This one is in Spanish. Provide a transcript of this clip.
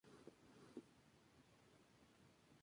Realizó sus estudios primarios y secundarios en St.